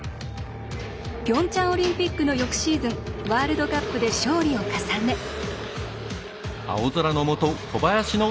ピョンチャンオリンピックの翌シーズンワールドカップで勝利を重ね。